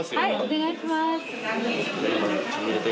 お願いします。